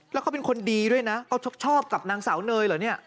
แล้วเขาเป็นคนดีด้วยนะเขาชอบกับนางสาวเนยเหรอเนี่ย